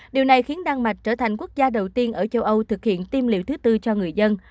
điều này khiến đan mạch trở thành quốc gia đầu tiên ở châu âu thực hiện tiêm liệu thứ tư cho người dân